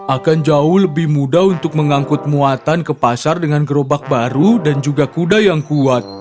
akan jauh lebih mudah untuk mengangkut muatan ke pasar dengan gerobak baru dan juga kuda yang kuat